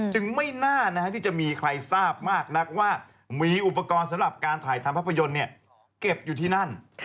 ไม่น่าที่จะมีใครทราบมากนักว่ามีอุปกรณ์สำหรับการถ่ายทำภาพยนตร์เก็บอยู่ที่นั่น